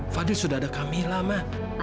fadil sudah ada kamilah ma